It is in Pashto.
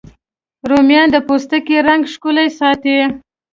رومیان د پوستکي رنګ ښکلی ساتي